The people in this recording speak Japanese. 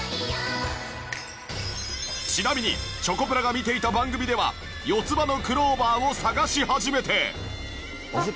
ちなみにチョコプラが見ていた番組では四つ葉のクローバーを探し始めて